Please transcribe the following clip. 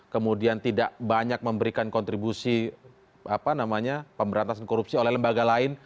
kemudian tidak banyak memberikan kontribusi pemberantasan korupsi oleh lembaga lain